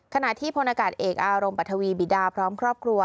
ขณะที่พลอากาศเอกอารมณ์ปัทวีบิดาพร้อมครอบครัว